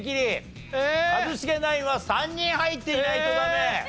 一茂ナインは３人入っていないとダメ。